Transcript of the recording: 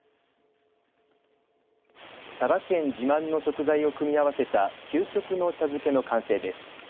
佐賀県自慢の食材を組み合わせた究極の茶漬けの完成です。